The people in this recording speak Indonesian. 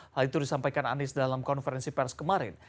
hal itu disampaikan anies dalam konferensi pers kemarin